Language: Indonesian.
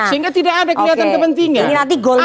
sehingga tidak ada kelihatan kepentingan